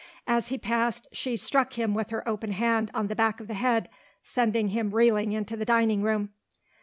As he passed she struck him with her open hand on the back of the head, sending him reeling into the dining room.